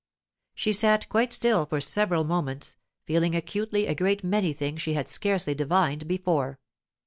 She sat quite still for several moments, feeling acutely a great many things she had scarcely divined before.